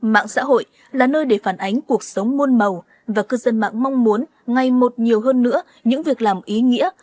mạng xã hội là nơi để phản ánh cuộc sống muôn màu và cư dân mạng mong muốn ngay một nhiều hơn nữa những việc làm ý nghĩa